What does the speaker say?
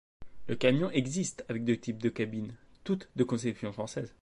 Le camion existe avec deux types de cabine, toutes de conception française.